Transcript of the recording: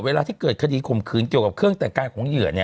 เวลาที่เกิดคดีข่มขืนเกี่ยวกับเครื่องแต่งกายของเหยื่อ